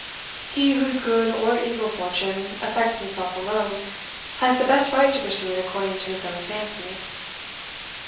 He whose good or evil fortune affects himself alone, has the best right to pursue it according to his own fancy."